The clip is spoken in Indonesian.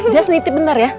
just nitip bentar ya